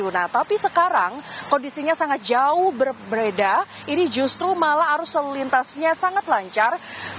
nah tapi sekarang kondisinya sangat jauh berbeda ini justru malah arus lalu lintasnya sangat lancar